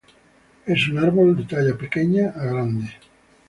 Es un árbol de talla pequeña a grande.